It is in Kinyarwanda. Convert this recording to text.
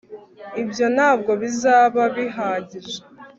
ibyo ntabwo bizaba bihagije